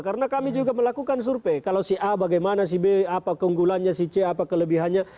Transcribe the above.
karena kami juga melakukan survei kalau si a bagaimana si b apa keunggulannya si c apa kelebihannya